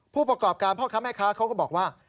ผู้ประกอบการพ่อค้าแม่ค้าเขาก็บอกว่า